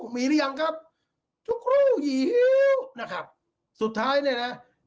มีหรือยังครับทุกรูหิวนะครับสุดท้ายเนี่ยนะ